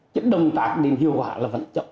các động tác đến hiệu quả là vấn đề